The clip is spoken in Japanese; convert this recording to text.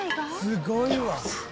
すごいわ。